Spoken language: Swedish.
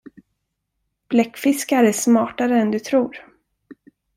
Bläckfiskar är smartare än du tror!